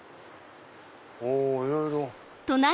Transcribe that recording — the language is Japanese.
おいろいろ。